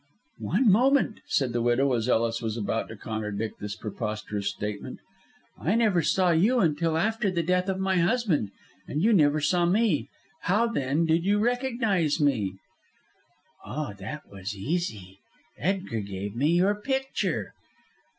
"One moment," said the widow, as Ellis was about to contradict this preposterous statement. "I never saw you until after the death of my husband, and you never saw me. How, then, did you recognise me?" "Oh, that was easy. Edgar gave me your picture."